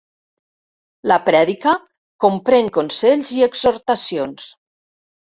La prèdica comprèn consells i exhortacions.